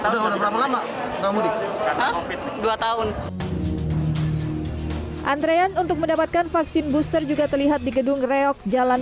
dua tahun antrian untuk mendapatkan vaksin booster juga terlihat di gedung reok jalan